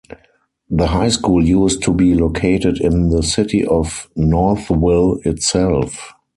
The high school used to be located in the city of Northville itself.